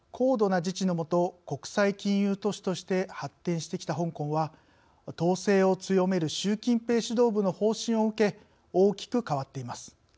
国際金融都市として発展してきた香港は統制を強める習近平指導部の方針を受け大きく変わっています。